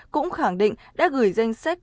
cũng khẳng định đã gửi danh sách